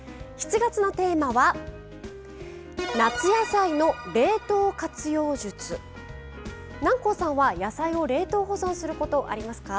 ７月のテーマは南光さんは野菜を冷凍保存することありますか？